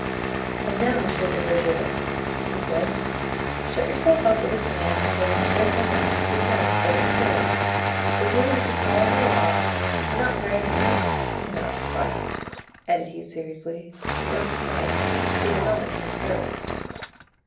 "And now, Monsieur du Verger," he said, "shut yourself up with this man until Monsieur Bernouin returns to open the door. The duty will be tolerably long and not very amusing, I know; but," added he, seriously, "you understand, it is on the king's service."